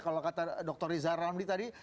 seperti yang berkata dr rizal ramli tadi